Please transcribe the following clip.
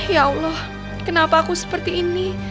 ya allah kenapa aku seperti ini